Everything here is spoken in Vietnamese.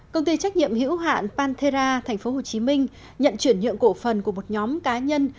công ty trách nhiệm hữu hạn pantera tp hcm nhận chuyển nhượng cổ phần của một nhóm cá nhân